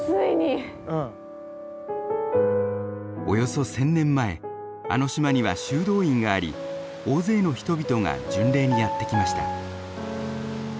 およそ１，０００年前あの島には修道院があり大勢の人々が巡礼にやって来ました。